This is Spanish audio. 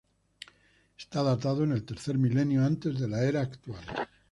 Está datado en el tercer milenio antes de la era actual.